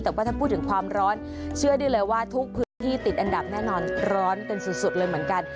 แต่ว่าถ้าพูดถึงความร้อนเชื่อได้เลยว่าทุกพื้นที่ติดอันดับแน่นอนร้อนกันสุดเลยเหมือนกัน